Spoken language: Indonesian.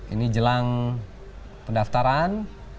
ini jelang pendaftaran